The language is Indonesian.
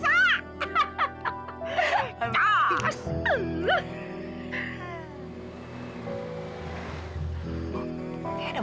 kayaknya ada mobil deh di luar